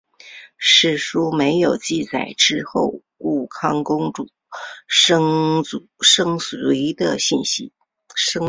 史书没有记载之后武康公主生卒的信息。